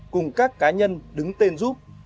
cùng các cá nhân đứng tên giúp